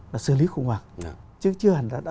là xử lý khủng hoảng chứ chưa hẳn là